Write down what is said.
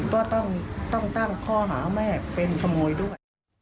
ก็ต้องตั้งข้อหาแม่เป็นขโมยด้วย